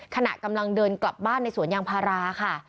ขณะกำลังเดินกลับบ้านในสวนยางพาราค่ะ